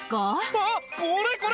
あっこれこれ！